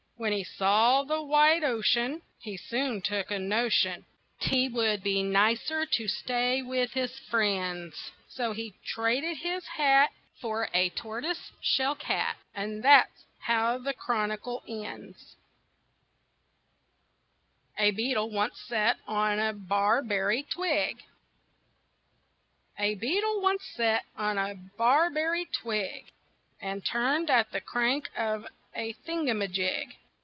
When he saw the wide ocean, He soon took a notion 'T would be nicer to stay with his friends. So he traded his hat For a tortoise shell cat And that's how the chronicle ends. A BEETLE ONCE SAT ON A BARBERRY TWIG A beetle once sat on a barberry twig, And turned at the crank of a thingum a jig.